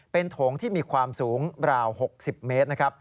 เป็นโถงที่มีความสูงราว๖๐เมตร